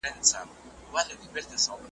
د هغه کار د یوې لویې اکاډمۍ